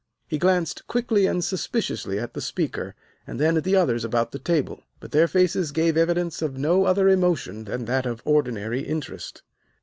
He glanced quickly and suspiciously at the speaker, and then at the others about the table. But their faces gave evidence of no other emotion than that of ordinary interest.